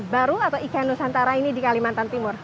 baru atau ikan nusantara ini di kalimantan timur